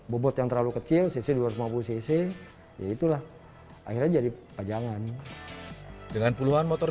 bobot yang terlalu kecil cc dua ratus lima puluh cc ya itulah akhirnya jadi pajangan dengan puluhan motor